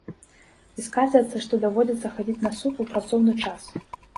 І скардзяцца, што даводзіцца хадзіць на суд у працоўны час!